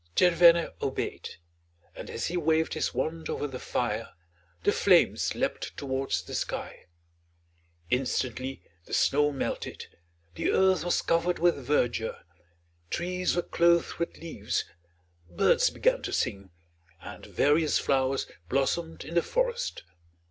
Tchervène obeyed, and as he waved his wand over the fire the flames leapt towards the sky. Instantly the snow melted, the earth was covered with verdure, trees were clothed with leaves, birds began to sing, and various flowers blossomed in the forest.